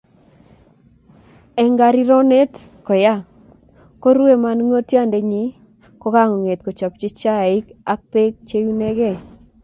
Eng karironet koya, koruei manongotiondenyi, kokakonget kochobchi chaik ak Bek che iunegei